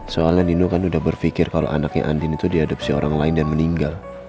soalnya nino kan udah berpikir kalau anaknya andin itu diadopsi orang lain dan meninggal